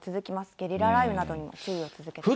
ゲリラ雷雨などにも注意を続けてください。